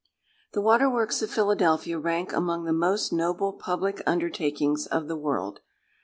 The Water works of Philadelphia rank among the most noble public undertakings of the world.